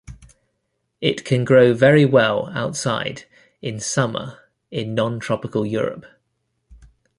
It can grow very well outside in summer in nontropical Europe.